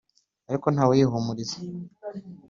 ariko nta we uyihumuriza.